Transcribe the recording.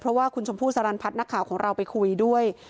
เพราะว่าคุณชมพู่สรรพัฒน์นักข่าวของเราไปคุยด้วย